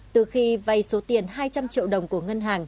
từ khi vay số tiền hai trăm linh triệu đồng